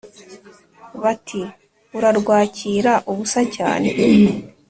Bati: "Urarwakira ubusa cyane,